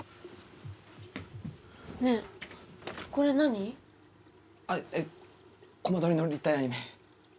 ねえこれ何？あっコマ撮りの立体アニメ。